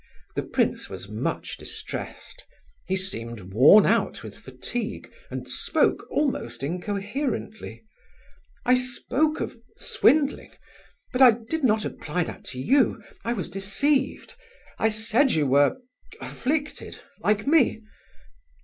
(The prince was much distressed; he seemed worn out with fatigue, and spoke almost incoherently.) "I spoke of swindling... but I did not apply that to you. I was deceived .... I said you were... afflicted... like me...